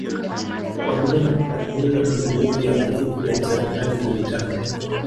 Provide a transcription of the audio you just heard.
kufuatilia na kutathimini matumizi ya ruzuku ya Serikali za Mitaa